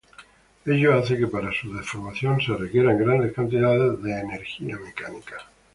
Ello hace que para su deformación se requieran grandes cantidades de energía mecánica.